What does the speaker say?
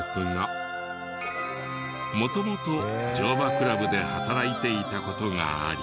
元々乗馬クラブで働いていた事があり。